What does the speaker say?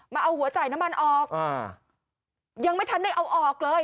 เอาหัวจ่ายน้ำมันออกอ่ายังไม่ทันได้เอาออกเลย